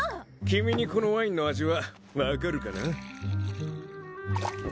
君にこのワインの味は分かるかな？